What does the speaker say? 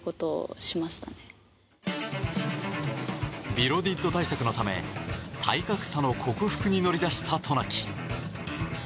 ビロディッド対策のため体格差の克服に乗り出した渡名喜。